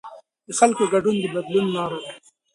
د خلکو ګډون د بدلون لاره ده